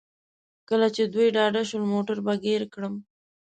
کله چې دوی ډاډه شول موټر به ګیر کړم.